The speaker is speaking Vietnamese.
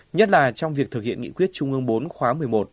nhất là trong việc thực hiện nghị quyết trung ương bốn khóa một mươi một